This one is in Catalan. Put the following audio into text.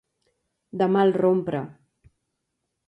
De mal rompre.